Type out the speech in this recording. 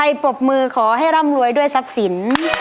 ปรบมือขอให้ร่ำรวยด้วยทรัพย์สิน